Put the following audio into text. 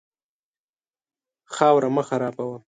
خاوره مه خرابوه.